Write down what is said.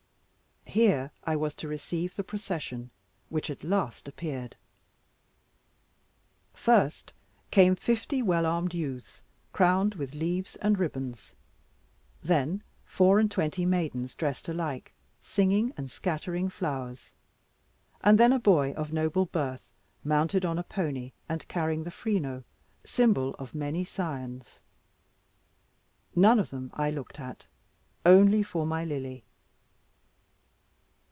Here I was to receive the procession, which at last appeared. First came fifty well armed youths, crowned with leaves and ribbons; then four and twenty maidens dressed alike, singing and scattering flowers, and then a boy of noble birth, mounted on a pony, and carrying the freno, symbol of many scions. None of them I looked at; only for my Lily.